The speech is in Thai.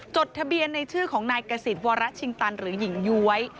จดทะเบียนในชื่อของนายกษิตวรชิงตันหรือหญิงย้วย